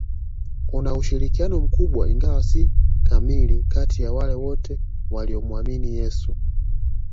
Kuna ushirikiano mkubwa ingawa si kamili kati ya wale wote waliomuamini Yesu